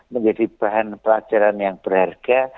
menjadi bahan pelajaran yang berharga